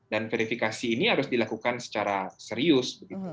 dan verifikasi ini harus dilakukan secara serius